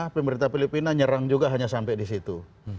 pemerintah filipina nyerang juga hanya sampai di situ